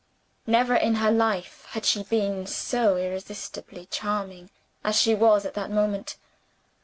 Never in her life had she been so irresistibly charming as she was at that moment.